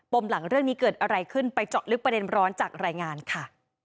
มหลังเรื่องนี้เกิดอะไรขึ้นไปเจาะลึกประเด็นร้อนจากรายงานค่ะ